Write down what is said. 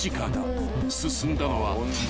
［進んだのはまだ］